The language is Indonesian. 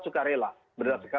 suka rela berdasarkan